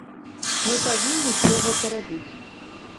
Мы павінны ўсё гэта рабіць.